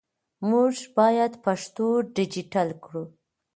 موږ باید پښتو ډیجیټل کړو